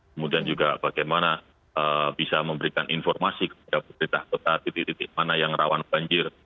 kemudian juga bagaimana bisa memberikan informasi kepada pemerintah kota titik titik mana yang rawan banjir